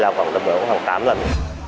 là khoảng tám lần